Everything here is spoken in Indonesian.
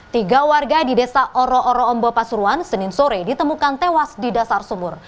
tiga warga di desa oro oro ombo pasuruan senin sore ditemukan tewas di dasar sumur